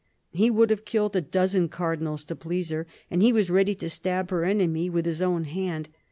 He would have killed a dozen cardinals to please her, and he was ready to stab her enemy with his own hand.